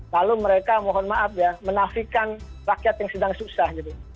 lalu mereka mohon maaf ya menafikan rakyat yang sedang susah gitu